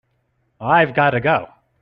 I've got to go.